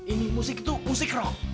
ini musik tuh musik rock